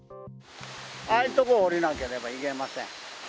ああいう所を下りなければいけません。